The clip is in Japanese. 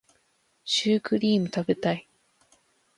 シュークリーム食べたい